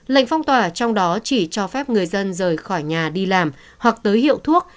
lệnh phong tỏa trong đó chỉ cho phép người dân rời khỏi nhà đi làm hoặc tới hiệu thuốc